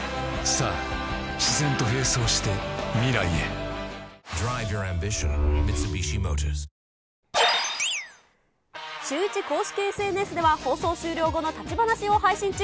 あすはおおむね晴れますが、シューイチ公式ＳＮＳでは、放送終了後の立ち話を配信中。